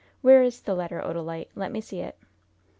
Where is the letter, Odalite? Let me see it."